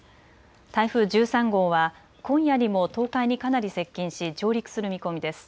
台風１３号は今夜にも東海にかなり接近し上陸する見込みです。